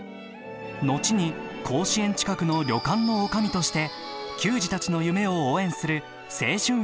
後に甲子園近くの旅館の女将として球児たちの夢を応援する青春奮闘記です。